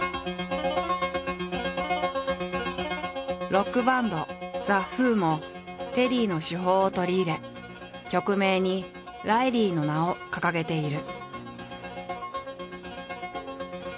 ロックバンドＴＨＥＷＨＯもテリーの手法を取り入れ曲名にライリーの名を掲げている。